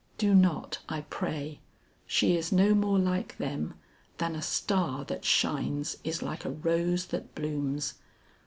Do not I pray; she is no more like them than a star that shines is like a rose that blooms.